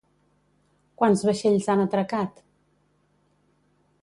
Quants vaixells han atracat?